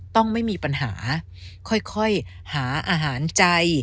ต้องไม่มีปัญหาค่อยหาอาหารใจ